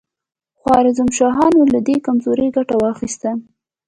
خوارزم شاهانو له دې کمزورۍ ګټه واخیسته.